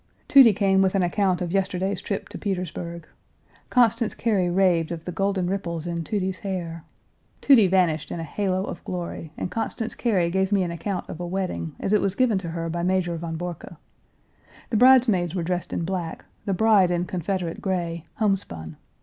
Tudy came with an account of yesterday's trip to Petersburg. Constance Cary raved of the golden ripples in Tudy's hair. Tudy vanished in a halo of glory, and Constance Cary gave me an account of a wedding, as it was given to her by Major von Borcke. The bridesmaids were Page 301 dressed in black, the bride in Confederate gray, homespun.